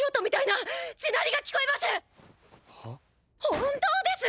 本当です！